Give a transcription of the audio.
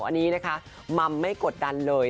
อันนี้นะคะมัมไม่กดดันเลย